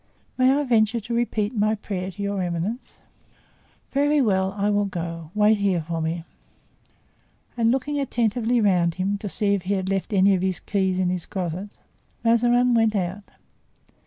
"May I venture to repeat my prayer to your eminence?" "Very well; I will go. Wait here for me." And looking attentively around him, to see if he had left any of his keys in his closets, Mazarin went out.